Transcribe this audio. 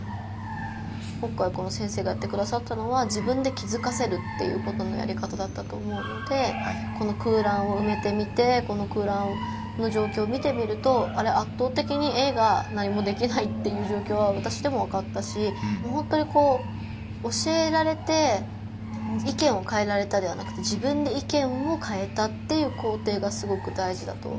今回この先生がやってくださったのは自分で気づかせるっていうことのやり方だったと思うのでこの空欄をうめてみてこの空欄の状況を見てみると圧倒的にＡが何もできないっていう状況は私でもわかったしほんとにこう教えられて意見を変えられたではなくて自分で意見を変えたっていう工程がすごくだいじだと。